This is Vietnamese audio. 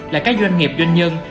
là các doanh nghiệp doanh nhân